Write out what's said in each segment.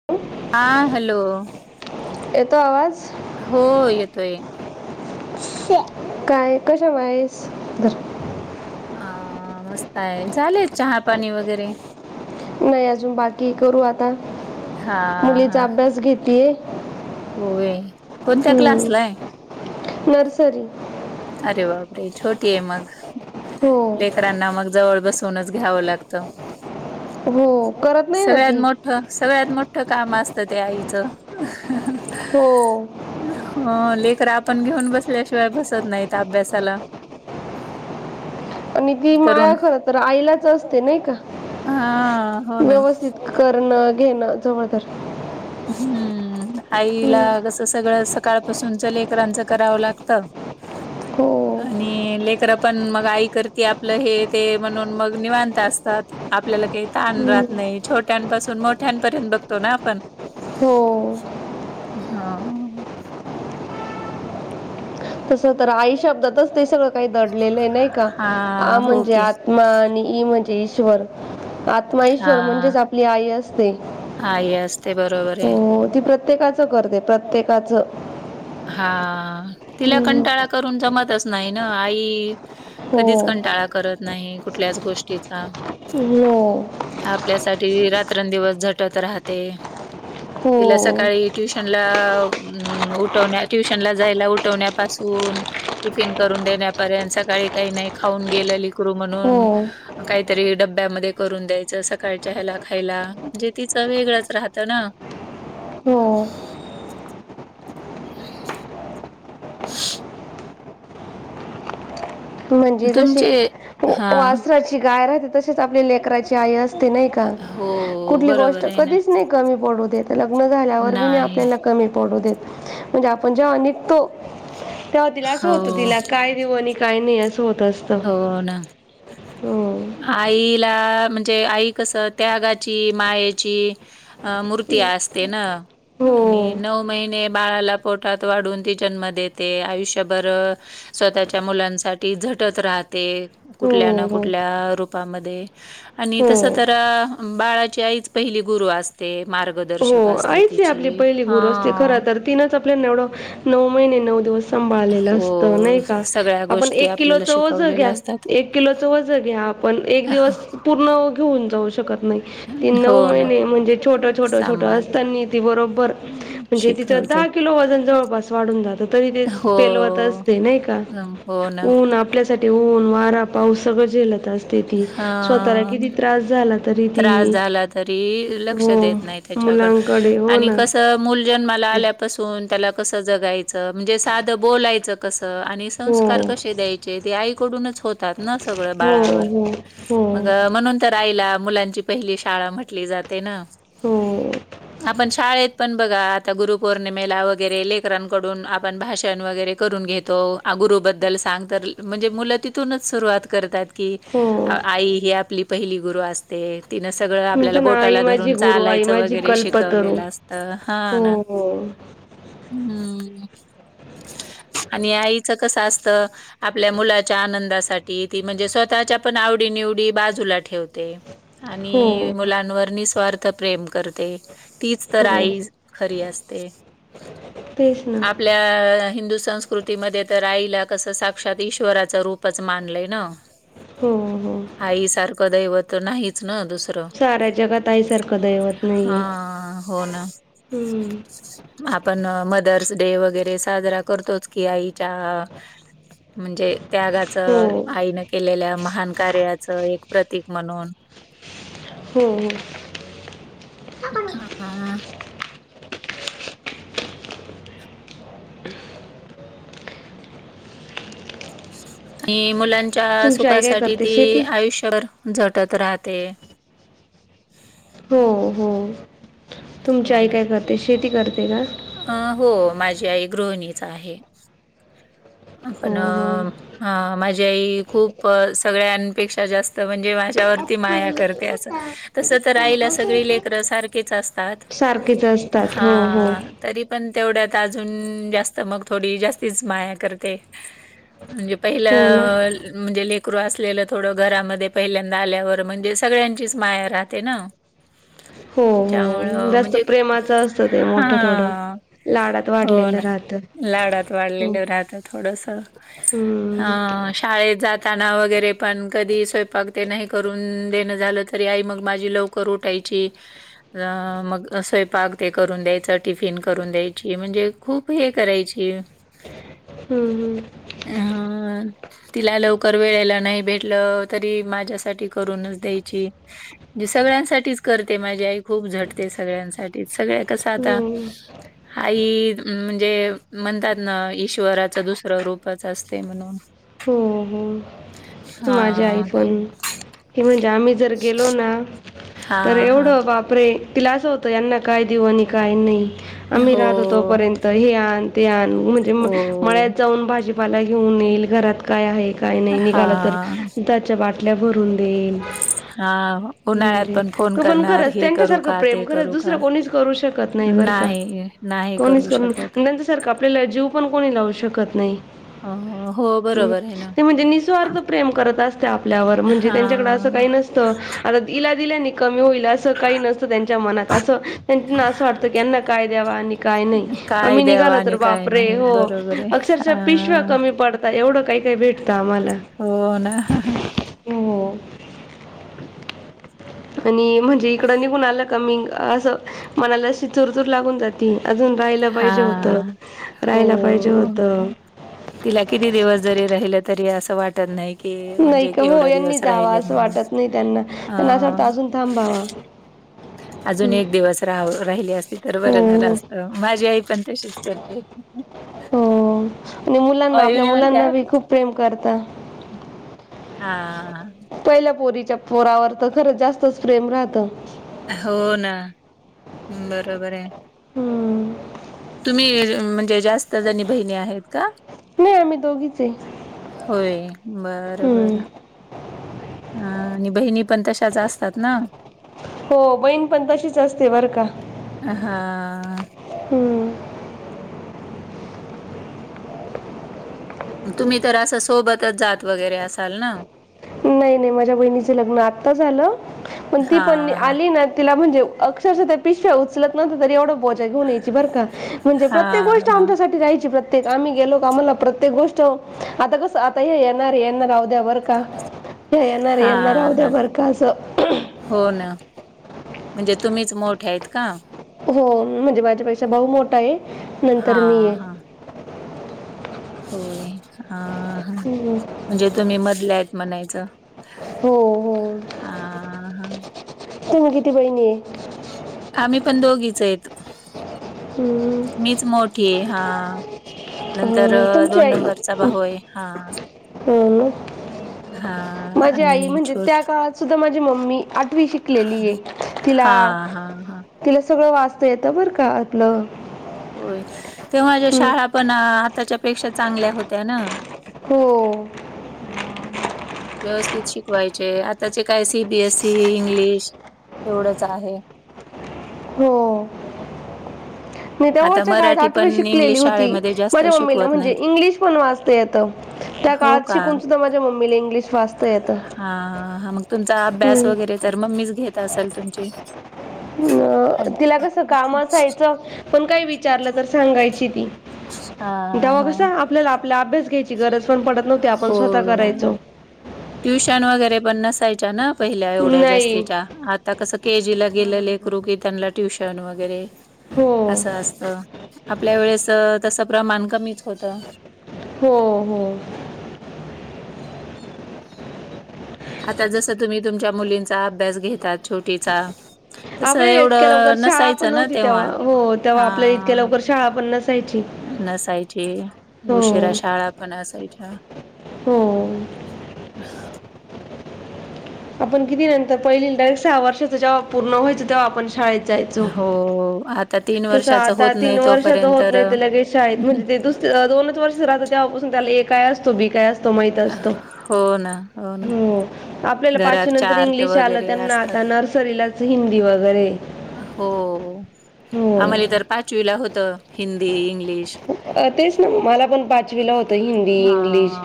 [unintelligible] आ hello येतो आवाज! हो येतोय काय कशाला पाहिजेत दर अ मस्त आहे झाले. चहा पाणी वगैरे नाही अजून बाकी करू आता हा हा मुलीचा अभ्यास घेतय होय कोणत्या हम्म क्लासलाय? नर्सरी अरे बापरे! छोटी आहे मग हो लेकराना मग जवळ बसूनच घ्यावं लागतं. हो करत नाही ना ती ह सगळ्यात मोठ काम असतं. ते आईचं हो हो लेकर आपण घेऊन बसल्याशिवाय बसत नाही. अभ्यासाला आणि ती करून माया खर तर आईलाच असते नाही का! हा हो ना व्यवस्थित करणं घेणं जवळ तर हम्म आईला हम्म. कसं सगळं सकाळपासून लेकरांचं करावं लागतं. हो आणि लेकरं पण मग आई करती आपलं हे ते म्हणून मग निवांत असतात. आपल्याला काही ताण हम्म. राहत नाही छोट्यांपासून मोठ्यांपर्यंत बघतो. ना आपण हो हा हा तसं तर आई शब्दातच ते सगळं काही दडलेलं आहे. नाही का हा आ हो म्हणजे की आत आत्मा आणि ई म्हणजे ईश्वर आत्मा ईश्वर म्हणजेच आपली आई असते. हा असते बरोबर आहे. हो ती प्रत्येकाच सगळ करते प्रत्येकाचं हा तिला हम्म. कंटाळा करून जमतच नाही ना आई हो कधीच कंटाळा करत नाही. कुठल्याच गोष्टीचा हो आपल्यासाठी रात्रं दिवस झटत राहते. तिला हो सकाळी ट्युशनला उठ उठवण्या ट्युशन ला जायला. उठवण्यापासून टिफिन करून देण्यापर्यंत सकाळी काही नाही खाऊन गेलं लकरू म्हणून हो काहीतरी डब्यामध्ये करून द्यायचं. सकाळच्या ह्यायला खायला म्हणजे तिचं वेगळंच राहतं ना! हो ह म्हणजे ज तुमचे हां. वासराची गाय राहते. तशी आपल्या लेकची अस नाही का हो, कुठली गोष्ट बरोबर आहे ना. कधी नही कमी पडू देत लग्न झाल्यावर नाही. आपल्याला कमी पडू देत. म्हणजे आपण जेव्हा निघतो! तेव्हा तिला असं होतो. हो, तिला काय देऊ आणि काय नाही अस होत असत हो ना! आईला म्हणजे आई कस त्यागाची, मायेची अ मूर्ती असते न. हा आणि हो नऊ महिने बाळाला पोटात वाढून ती जन्म देते आयुष्यभर स्वतःच्या मुलांसाठी झटत राहते कुठल्या ना हो हो कुठल्या रूपामध्ये. आणि तस हो तर बाळाची आईच पहिली गुरु असते हो मार्गदर्शक. असते आईच ये आपली तिची. पहिली गुरु असते खर हां. तर तिनंच आपल्या एवढं, नऊ महिने नऊ दिवस सांभाळलेलं असत हो, नाही का? सगळ्या आपण गोष्टी एक आपल्याला किलोच वोज शिकवलेल्या घ्या, असतात. एक किलोचं वज घ्या आपण एक दिवस पूर्ण घेऊन जाऊ शकत नाही, ती हो नऊ ना, महिने म्हणजे छोट छोट छोट अस सांभाळते. नेते बरोबर, हं. म्हणजे तीच शिकवते. दहा किलो वजन जवळ पास वाढून जात तरी ते हो. पेलवत असते नाही का, हं, हो ना. ऊन आपल्या तटी ऊन, वारा, पाऊस सगळं झेलत असते ती, स्वतःला हां. किती त्रास झाला तरी ती, त्रास झाला तरी लक्ष हो देत मुलांकडे हो ना. मुल जन्माला हो आल्यापासुन त्याल कस जगायच म्हणजे साध बोलायच कस आणि हो संस्कार कसे द्यायचे ते आईकडूनच हो होतात न सगळ बाळावर, हो हो मग म्हणून तर आईला मुलांची पहिली शाळा म्हटली जाते न, हो आपण शाळेत पण बघा आता गुरुपौर्णिमेला वगैरे लेकरांकडून आपण भाषण वगैरे करून घेतो. आ गुरुबद्दल सांग तर म्हणजे मुलं तिथूनच सुरुवात करतात. की, हो आई ही आपली पहिली गुरु असते. तिनं सगळं आपल्याला म्हणतो ना आई बोटाला माझी धरून गुरु आई चालायचं माझी वगैरे कल्पतरू शिकवलेलं असतं हा हो ना. हम्म, आणि आईच कसं असत आपल्या मुलाच्या आनंदासाठी ती म्हणजे स्वतःच्या पण आवडी निवडी बाजूला ठेवते. हो आणि हो मुलांवर निस्वार्थ प्रेम करते. तीच तर हो आई खरी असते, तेच आपल ना आपल्या हिंदू संस्कृतीमध्ये तर आईला कसं साक्षात ईश्वराच रूपच मानलंय न. हो हो. आईसारखं दैवत नाहीच न दुसरं. साऱ्या जगात आईसारखं दैवत हा नाहीये, हो ना. हम्म. आपण मदर्स डे वगैरे साजरा करतोच की आईच्या म्हणजे त्यागाच हो आईनं केलेल्या महान कार्याचं एक प्रतीक म्हणून. हो. हा आ. हे मुलांच्या तुमची आई काय सुखासाठी करते ती शेती आयुष्यभर झटत राहते. हो हो, तुमची आई काय करते शेती करते का? आ हो माझी आई गृहिणीच आहे. हो आपण हो हा माझी आई खूप सगळ्यांपेक्षा जास्त म्हणजे माझ्यावरती माया करते असं तस तर आईला सगळी लेकरं सारखीच असतात, सारखेच असतात हा. हो हो तरी पण तेवढ्यात अजून जास्त मग थोडी जास्तीच माया करते. म्हणजे पहिल हो ना म्हणजे लेकरू असलेलं थोडं घरामध्ये पहिल्यांदा आल्यावर म्हणजे सगळ्यांचीच माया राहते ना. हो. हो त्याच्यामुळं, जास्त म्हणजे प्रेमाचं असतं ते मोठं थोडं हा. लाडात हो वाढलेलं ना, राहतं लाडात हो वाढलेले राहत. थोडस, आ हम्म शाळेत जात ताना वगैरे पण कधी स्वयंपाक ते नाही करून देणं झालं तरी आई मग माझी लव कर ऊटायची. अ मग स्वयंपाक ते करून द्यायचं टिफिन करून द्यायची म्हणजे. खूप हे करायची. हूं हूं! हा! तिला लवकर वेळेला नाही भेटलं, तरी माझ्यासाठी करूनच द्यायची. जे सगळ्यांसाठीच करते माझी आई खूप झटते सगळ्यांसाठीच सगळ्या. कस आता हम्म आई म्हणजे म्हणतात ना ईश्वरा च दुसर रूपच असते म्हणून. हो हो माझी आई हां, पण ती म्हणजे आम्ही जर गेलो ना तर हां, हां. एवढं बापरे. तिला असं होतं यांना काय देऊ आणि काय नाही, आम्ही हो, राहतो तोपर्यंत हे आन ते आण म्हणजे म-मळ्यात हो. जाऊन भाजीपाला घेऊन येईल घरात काय आहे. काही नाही निघाल तर हां, दुधाच्या बाटल्या भरून देईल. हां. उन्हाळ्यात म्हजे फोन तू पण करणार, खरंच हे करू त्यांच्यासारखं का? प्रेम ते खरंच करू का? दुसरं कोणीच करू शकत नाही बरका नाही, नाही कोणीच करू कोणी शकत. सारख आपल्याला जीव पण कोणी लावू शकत नाही. अ, हो हूं बरोबर आहे ना. ते म्हणजे निःस्वार्थ प्रेम करत असत्या आपल्यावर म्हणजे त्यांच्याकडे असं हां, काही नस तं आता इला दिल्यानं कमी होईल. अस काही नसतं त्यांच्या मनात, अस त्यांना असं वाटतं की यांना काय द्यावा आणि काय नही. काय आम्ही द्यावं निघालो तर आणि काय बापरे नाही हो बरोबर आहे. अक्षरशः पिशव्या हां. कमी पड ता एवढं काही काही भेटतं आम्हाला. हो ना. हो [inaudible] आणि म्हणजे इकडं निघून आलं का मी असं मनाला अशी चुरचूर लागून जा ती अजून राहायला पाहिजे होतं, हां. हो, राहायला पाहिजे हो. होतं. तिला किती दिवस जरी राहिलं तरी असं वाटत नाही. की नाही म्हणजे का हो एवढया यांनी दिवस जावा राहिलेतं असं म्हणून वाटत नाही त्यांना त्यांना असं हा. वाटतं अजून थांबावा अजून एक दिवस रा-राहिली असती तर बरं झालं हो हो असत माझी आई पण तशीच करते. हो आणि मुलांना आई आपल्या मी म्हणते मुलांना हां. बी खूप प्रेम करता. हा! पहिल्या पोरीच्या पोरावर त खरं जास्तच प्रेम राहतं. हो ना बरोबर आहे. हूं! तुम्ही म्हणजे जास्त जणी बहिणी आहेत का? नाही आम्ही दोघीच आहे होय बर बर. हम्म. ह आणि बहिणी पण तश्याच असतात ना हो बहीण पण तशीच असते बरं का! अ हा! हूं! तुम्ही तर असं सोबतच जात वगैरे असाल ना! नही नही माझ्या बहिणीच लग्न आता झालं, पण ती हां, पण हां. आली ना तिला म्हणजे अक शरशा त्यां पिशव्या उचलत नव्हतं तरी एवढं बो जा घेऊन यायची बर का म्हणजे प्रत्येक हां, गोष्ट हां. आमच्यासाठी रहायची प्र तेचं आम्हीं गेलो कां आम्हांला प्रत्येक गोष्ट आंता कसं आंता हे येणारं येणारं अवद्या बरं का? येणारं येणारं हां, राहूंद्या हां. बरं कां असं. हो नां म्हणजे तुम्हीचं मोठ्यां आहेंत कां? हो म्हणजे माझ्यां पेक्षा भाऊ मोठा आहे नंतर मी हां, आहे. हां. होय अं हम्म. म्हणजे तुम्हीं मधल्यां आहेंत म्हणायचं. हो हो हां, हां. तुम्हीं किती बहिणी आहेतं आम्हीं पणं दोघींचं आहेंतं. हम्म. मीचं मोठीये हां नंतर अं, दोन नंबरचा भाऊ आहे हां. हम्मं. हां. माझी आई आणि म्हणजे छोट त्यां काळांत सुद्धां माझी मम्मी आंठवी शिक शिकलेली आहे हां, हां, हां. तिला सगळं वाचतां येतं बरं कां आपलं होयं तेंव्हांच्या हम्म. शाळां पणं आतांच्या शाळे पेक्षा चांगल्या होत्यां नां. हो. हां मं व्यवस्थित शिकवायचे आंताचे कायं C B S C English. एवढंच आहे. हो मी आता तेंव्हांच्या काळांत मराठी आठवी पण शिकलेली इंग्लिश होती. शाळेमध्ये जास्त माझ्या मम्मीला शिकवत म्हणजे नाहीत. इंग्लिश पणं वाचतां येतं त्यां हो काळांत का? शिकूंन सुद्धां माझ्या मम्मीला इंग्लिश वाचता येतं हां हां मगं तुमचां अभ्यास हम्म. वगैरें तरं मम्मीच घेतं असलं तुमची. हम्मं तिलां कसं कांम असायचं पणं कायं विचारलं तरं सांगायची ती. हां, तेव्हां हां. कसं आपल्याला आपलां अभ्यास घ्यांयची गरजं पणं पडतं नव्हती आपणं स्वंतः करायचो. ट्युंशन वगैरें पणं नसायच्यां नां पहिल्या एवढ्यां नाही जास्तीच्या आं आंता कसं के जी लां गेले लेकरु त्यांला ट्युशन वगैरें हो असं असं ते आपल्या वेळेसं तसं प्रमाणं कमीचं होतं. हो हो. आंता जसं तुम्हीं तुमच्या मुलींचा अभ्यास घेता छोटीचां. आपल्याला इतक्या लवकरं शाळां पणं नव्हती तेव्हां तेव्हा. हो तेव्हां आपल्याला इतक्यां लवकरं शाळां पणं नसायची. नसांयची हो उशिरा शाळां पणं असांयच्या. हो. [unintelligible] आपणं किती नंतर पहिलीला डायरेक्ट सहा वर्षाच जेव्हां पूर्ण व्हायचं तेव्हां आपणं शाळेेत हो हो आंत तसं आंता तीन वर्षाच होतं नाहींते लगेच शाळेत म्हणजे ते दुस त्यांला दोनचं वर्षाच राहतं तेव्हांपासून त्यांला ए कायं असतो बी कायं असतो तो माहितं असतो हो. आपल्याला घरात पाचवी नंतर चार्ट इंग्लिश आलं वगैरे त्यांना असतात. आंता नर्सरीलांच हिन्दी वगैरें. हो आम्हांले तरं पांचवीला होतं हिन्दी इंग् तेचं नां मलां पणं पांचवीलां होतं हिन्दी हा इंग्लिश.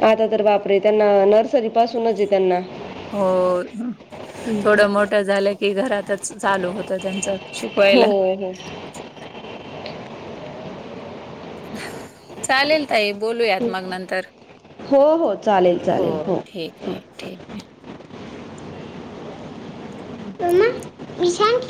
आंता तरं बापरे त्यांना नर्सरी पासूंनचये त्यांना. हो हं, हं. थोडं मोठ झालं की घरांतच चालूं होतं त्यांचं. हो शिकवायला. हो. [inaudible] [unintelligible] चालेल ताई बोलूंयांत मगं नंतर हो, हो. चालेल, हो चालेल. ठीकं हो. आहे [unintelligible] ठीकये. आहे. [inaudible]